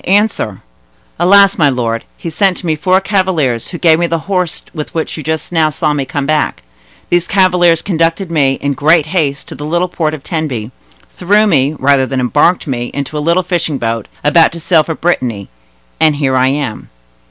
Answer!" "Alas! my lord, he sent to me four cavaliers, who gave me the horse with which you just now saw me come back. These cavaliers conducted me, in great haste, to the little port of Tenby, threw me, rather than embarked me, into a little fishing boat, about to sail for Brittany, and here I am."